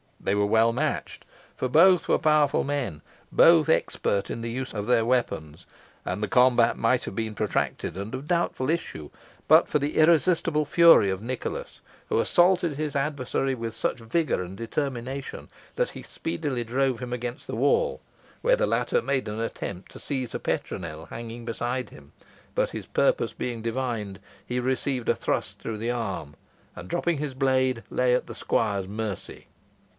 They were well matched, for both were powerful men, both expert in the use of their weapons, and the combat might have been protracted and of doubtful issue but for the irresistible fury of Nicholas, who assaulted his adversary with such vigour and determination that he speedily drove him against the wall, where the latter made an attempt to seize a petronel hanging beside him, but his purpose being divined, he received a thrust through the arm, and, dropping his blade, lay at the squire's mercy.